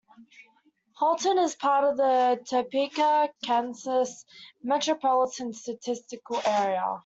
Holton is part of the Topeka, Kansas Metropolitan Statistical Area.